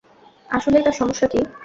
আসলেই, তার সমস্যা কী?